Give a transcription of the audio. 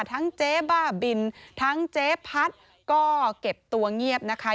เจ๊บ้าบินทั้งเจ๊พัดก็เก็บตัวเงียบนะคะ